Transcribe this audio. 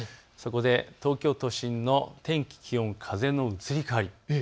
東京都心の天気、気温、風の移り変わり。